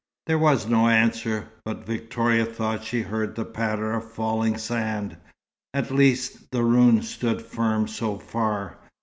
There was no answer; but Victoria thought she heard the patter of falling sand. At least, the ruin stood firm so far.